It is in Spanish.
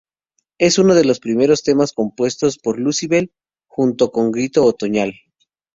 Es uno de los primeros temas compuestos por Lucybell, junto con Grito Otoñal.